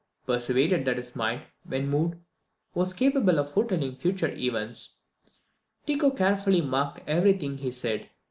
Persuaded that his mind, when moved, was capable of foretelling future events, Tycho carefully marked every thing he said.